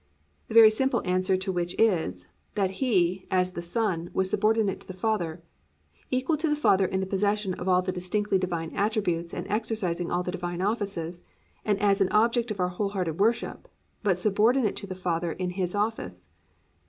The very simple answer to which is; that He, as the Son, was subordinate to the Father, equal to the Father in the possession of all the distinctively Divine attributes and exercising all the Divine offices, and as an object of our wholehearted worship, but subordinate to the Father in His office.